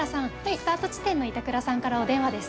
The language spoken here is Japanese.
スタート地点の板倉さんからお電話です。